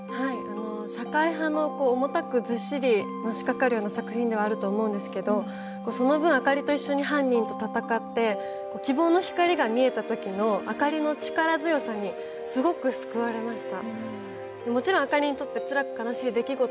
社会派の重たくずっしりのしかかるような作品だとは思いますがその分、明香里一緒に犯人と闘って希望の光が見えたときの明香里の力強さに、すごく救われました。